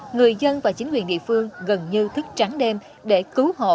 người dân và chính quyền địa phương gần như thức trắng đêm để cứu hộ